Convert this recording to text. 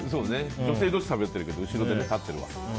女性同士しゃべってるけど後ろで立ってるわ。